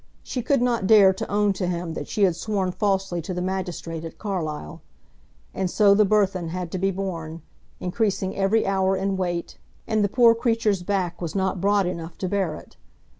She could not dare to own to him that she had sworn falsely to the magistrate at Carlisle. And so the burthen had to be borne, increasing every hour in weight, and the poor creature's back was not broad enough to bear it.